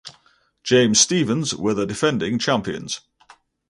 James Stephens were the defending champions.